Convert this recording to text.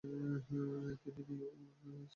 তিনি নিউ স্লেমে ফিরে যান।